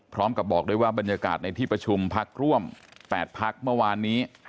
พร้อมกับบอกด้วยว่าบรรยากาศในที่ประชุมพักร่วม๘พักเมื่อวานนี้